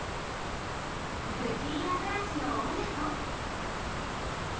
ズキンアザラシの親子。